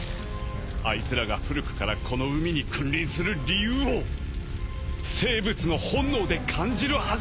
あいつらが古くからこの海に君臨する理由を生物の本能で感じるはずだ！